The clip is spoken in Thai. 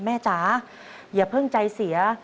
จ๋าอย่าเพิ่งใจเสีย